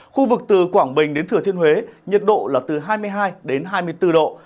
khu vực từ quảng bình đến thừa thiên huế nhiệt độ là từ hai mươi hai đến hai mươi bốn độ